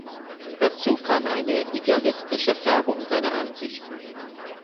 Dazu kam eine idealistische Färbung seiner Ansichten.